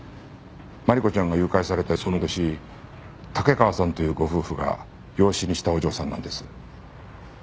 真梨子ちゃんが誘拐されたその年竹川さんというご夫婦が養子にしたお嬢さんなんです。